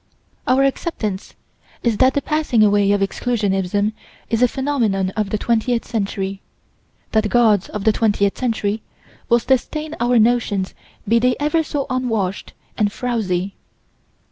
Our acceptance is that the passing away of exclusionism is a phenomenon of the twentieth century: that gods of the twentieth century will sustain our notions be they ever so unwashed and frowsy.